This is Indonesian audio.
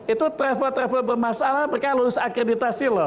itu travel travel bermasalah mereka lulus akreditasi loh